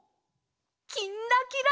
「きんらきら」。